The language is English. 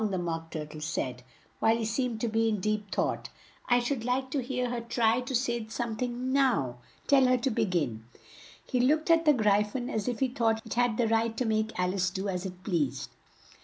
the Mock Tur tle said, while he seemed to be in deep thought. "I should like to hear her try to say some thing now. Tell her to be gin." He looked at the Gry phon as if he thought it had the right to make Al ice do as it pleased.